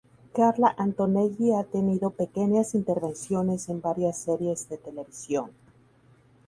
Carla Antonelli ha tenido pequeñas intervenciones en varias series de televisión.